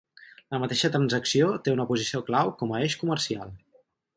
La mateixa transacció té una posició clau com a eix comercial.